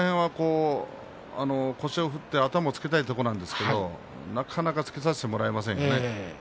腰を振って頭をつけたいところなんですがなかなかつけさせてもらえませんでしたね。